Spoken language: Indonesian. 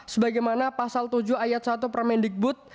sebagaimana pasal tujuh ayat satu permendikbud